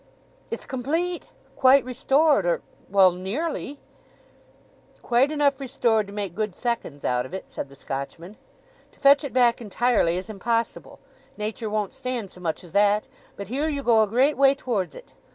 "It's complete!—quite restored, or—well—nearly." "Quite enough restored to make good seconds out of it," said the Scotchman. "To fetch it back entirely is impossible; Nature won't stand so much as that, but heere you go a great way towards it.